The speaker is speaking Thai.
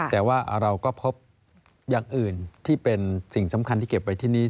แต่ว่าเราก็พบอย่างอื่นที่เป็นสิ่งสำคัญที่เก็บไว้ที่นี้